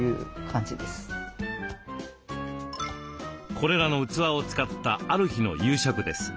これらの器を使ったある日の夕食です。